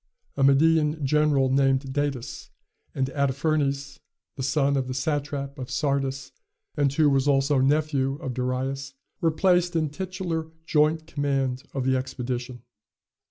A Median general named Datis, and Artaphernes, the son of the satrap of Sardis, and who was also nephew of Darius, were placed in titular joint command of the expedition.